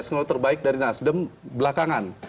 skenal terbaik dari nasdem belakangan